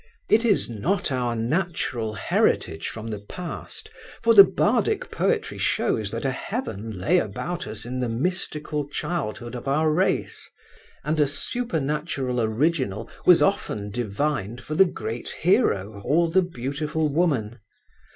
It is not our natural heritage from the past, for the bardic poetry shows that a heaven lay about us in the mystical childhood of our race, and a supernatural original was often divined for the great hero, or the beautiful woman.